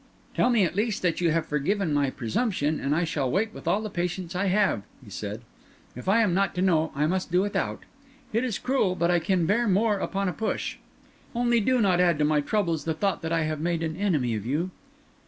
"Tell me, at least, that you have forgiven my presumption, and I shall wait with all the patience I have," he said. "If I am not to know, I must do without. It is cruel, but I can bear more upon a push. Only do not add to my troubles the thought that I have made an enemy of you."